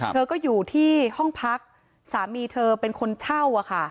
เธอก็อยู่ที่ห้องพักสามีเธอเป็นคนเช่าอะค่ะ